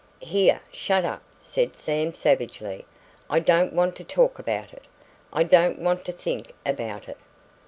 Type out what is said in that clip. "Here, shut up," said Sam savagely. "I don't want to talk about it. I don't want to think about it!